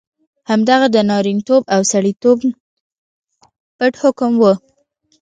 همدغه د نارینتوب او سړیتوب پت حکم وو.